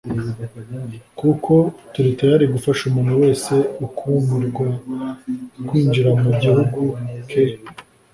kuko turitayari gufasha umuntu wese ukumirwakwinjiramugihungu ke